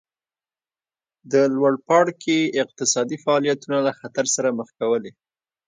د لوړ پاړکي اقتصادي فعالیتونه له خطر سره مخ کولې